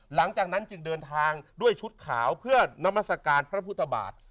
หลังจากนั้นจึงเดินทางด้วยชุดขาวเพื่อนามัศกาลพระพุทธบาท